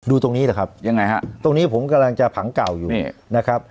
ตรงนี้แหละครับยังไงฮะตรงนี้ผมกำลังจะผังเก่าอยู่นะครับ